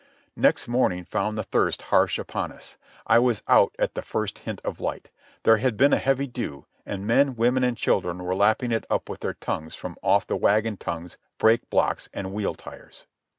Next morning found the thirst harsh upon us. I was out at the first hint of light. There had been a heavy dew, and men, women, and children were lapping it up with their tongues from off the wagon tongues, brake blocks, and wheel tyres.